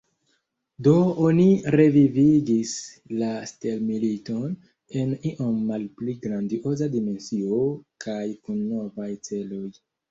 Do oni revivigis la stelmiliton, en iom malpli grandioza dimensio kaj kun novaj celoj.